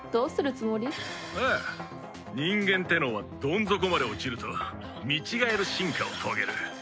ああ人間ってのはどん底まで落ちると見違える進化を遂げる。